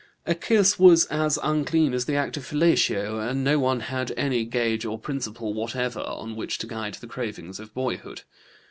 A kiss was as unclean as the act of fellatio, and no one had any gauge or principle whatever on which to guide the cravings of boyhood.